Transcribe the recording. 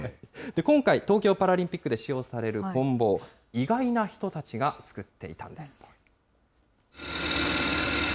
今回、東京パラリンピックで使用されるこん棒、意外な人たちが作っていたんです。